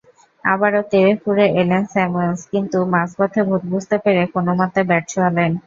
আবারও তেড়েফুঁড়ে এলেন স্যামুয়েলস, কিন্তু মাঝপথে ভুল বুঝতে পেরে কোনোমতে ব্যাট ছোঁয়ালেন।